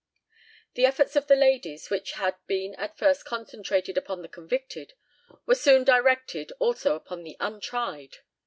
The efforts of the ladies, which had been at first concentrated upon the convicted, were soon directed also upon the untried.